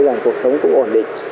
rằng cuộc sống cũng ổn định